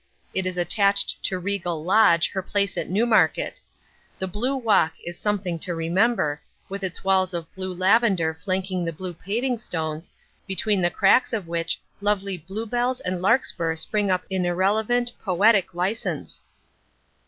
It is attached to Regal Lodge, her place at Newmarket. The Blue Walk is something to remember, with its walls of blue lavender flanking the blue paving stones, between the cracks of which lovely bluebells and larkspur spring up in irrelevant, poetic license.